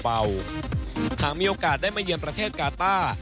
หากมีโอกาสได้มาเยือนประเทศกาต้า